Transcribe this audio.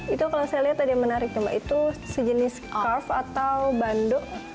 itu kalau saya lihat tadi menariknya mbak itu sejenis scarf atau banduk